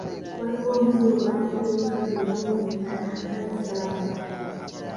Waliwo omusolo omulala ku by’obugagga eby’omuttaka nga zzaabu.